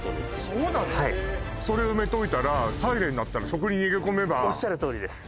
それ埋めといたらサイレン鳴ったらそこに逃げ込めばおっしゃるとおりです